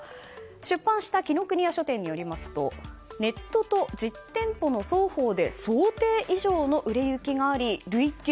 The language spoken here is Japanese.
出版した紀伊國屋書店によりますとネットと実店舗の双方で想定以上の売れ行きがあり累計